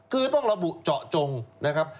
คือต้องระบุเจาะจงนะครับ